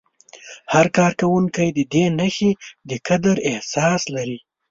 هر کارکوونکی د دې نښې د قدر احساس لري.